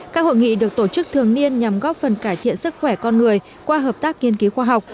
các hội nghị được tổ chức thường niên nhằm góp phần cải thiện sức khỏe con người qua hợp tác nghiên cứu khoa học